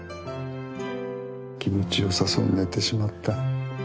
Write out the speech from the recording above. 気持ちよさそうに寝てしまった。